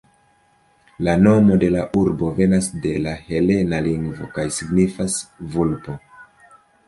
La nomo de la urbo venas de la helena lingvo kaj signifas "vulpo".